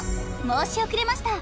申し遅れました